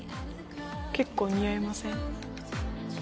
結構似合いません？